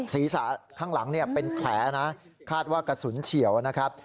ศีรษะข้างหลังเป็นแผลนะคาดว่ากระสุนเฉียวนะครับ